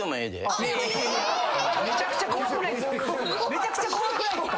めちゃくちゃ怖くないっすか？